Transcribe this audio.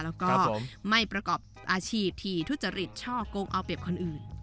แล้วก็ไม่ประกอบอาชีพที่ทุจริตช่อกงเอาเปรียบคนอื่น